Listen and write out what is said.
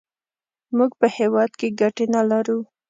موږ په هېواد کې ګټې نه لرو.